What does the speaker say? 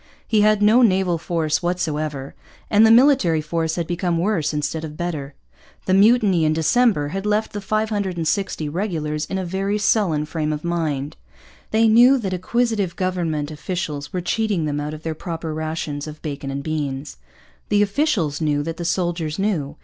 He had no naval force whatever; and the military force had become worse instead of better. The mutiny in December had left the 560 regulars in a very sullen frame of mind. They knew that acquisitive government officials were cheating them out of their proper rations of bacon and beans. The officials knew that the soldiers knew.